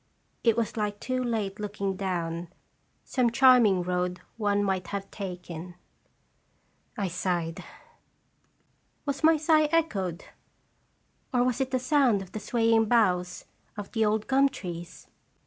It was like too late looking down some charming road one might have taken. I sighed. Was my sigh echoed, or was it the sound of the swaying boughs of the old gum trees